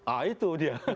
ah itu dia